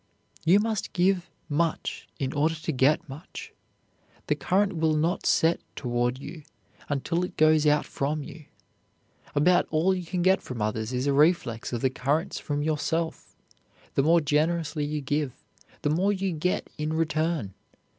You must give much in order to get much. The current will not set toward you until it goes out from you. About all you get from others is a reflex of the currents from yourself. The more generously you give, the more you get in return.